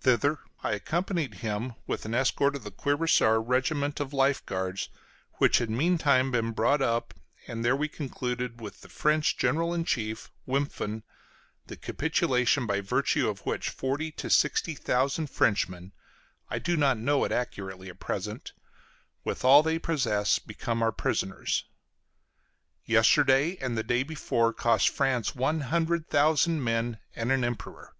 Thither I accompanied him with an escort of the cuirassier regiment of life guards, which had meantime been brought up; and there we concluded with the French general in chief, Wimpffen, the capitulation by virtue of which forty to sixty thousand Frenchmen, I do not know it accurately at present, with all they possess, became our prisoners. Yesterday and the day before cost France one hundred thousand men and an Emperor.